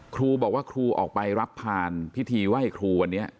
ครูบอกว่าครูออกไปรับผ่านพิธีไหว้ครูวันนี้